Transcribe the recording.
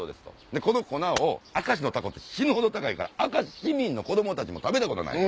でこの粉を明石のタコって死ぬほど高いから明石市民の子供たちも食べたことない。